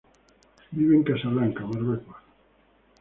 Vive en Casablanca, Marruecos.